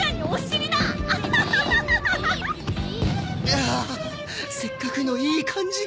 ああせっかくのいい感じが。